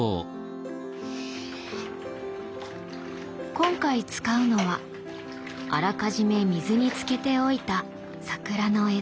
今回使うのはあらかじめ水につけておいた桜の枝。